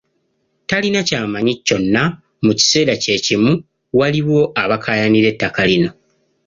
Talina ky’amanyi kyokka mu kiseera kye kimu waliwo abakaayanira ettaka lino.